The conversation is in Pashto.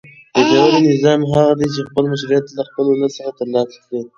یو پیاوړی نظام هغه دی چې خپل مشروعیت له خپل ولس څخه ترلاسه کړي.